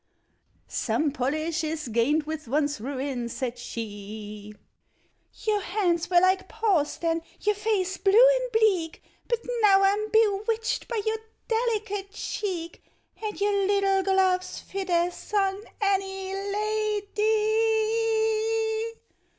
— "Some polish is gained with one's ruin," said she. —"Your hands were like paws then, your face blue and bleak, But now I'm bewitched by your delicate cheek, And your little gloves fit as on any la dy!"